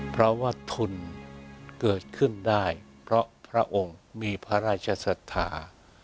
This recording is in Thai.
เพราะว่าทุนเกิดขึ้นได้เพราะพระองค์มีพระราชศรัทธา